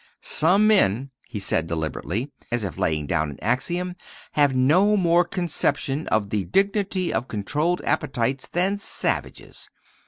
"Some men," he said deliberately, as if laying down an axiom, "have no more conception of the dignity of controlled appetites than savages.